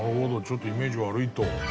ちょっとイメージ悪いと。